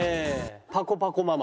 「パコパコママ」。